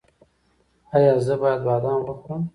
ایا زه باید بادام وخورم؟